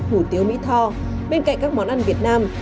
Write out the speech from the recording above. hủ tiếu mỹ tho bên cạnh các món ăn việt nam